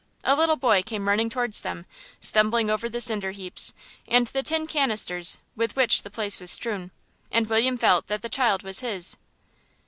A little boy came running towards them, stumbling over the cinder heaps and the tin canisters with which the place was strewn, and William felt that that child was his.